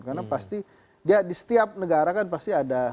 karena pasti ya di setiap negara kan pasti ada